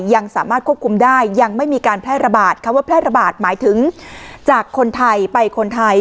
ยังสามารถควบคุมได้ยังไม่มีการแพร่ระบาดคำว่าแพร่ระบาดหมายถึงจากคนไทยไปคนไทย